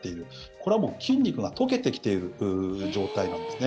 これはもう筋肉が溶けてきている状態なんですね。